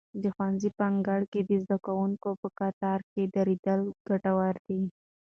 د ښوونځي په انګړ کې د زده کوونکو په کتار کې درېدل ګټور دي.